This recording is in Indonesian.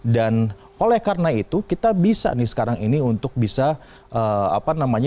dan oleh karena itu kita bisa nih sekarang ini untuk bisa apa namanya